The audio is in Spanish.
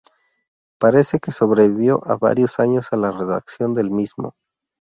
Parece que sobrevivió varios años a la redacción del mismo.